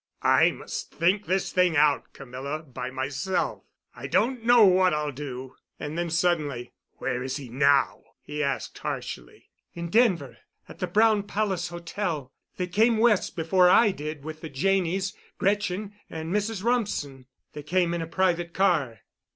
"I must think this thing out, Camilla—by myself. I don't know what I'll do." And then suddenly, "Where is he now?" he asked harshly. "In Denver—at the Brown Palace Hotel. They came West before I did with the Janneys, Gretchen, and Mrs. Rumsen. They came in a private car."